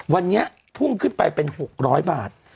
วันนี้พุ่งขึ้นไปเป็น๖๐๐บาท